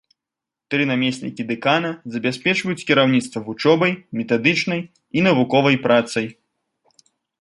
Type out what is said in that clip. Тры намеснікі дэкана забяспечваюць кіраўніцтва вучобай, метадычнай і навуковай працай.